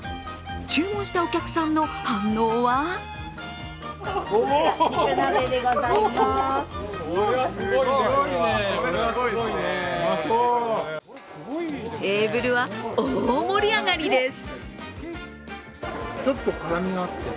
注文したお客さんの反応はテーブルは大盛り上がりです。